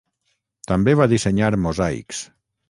També va dissenyar mosaics.